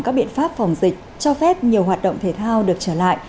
các biện pháp phòng dịch cho phép nhiều hoạt động thể thao được trở lại